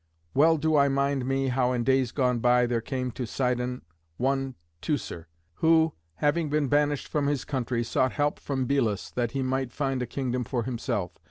Well do I mind me how in days gone by there came to Sidon one Teucer, who, having been banished from his country, sought help from Belus that he might find a kingdom for himself.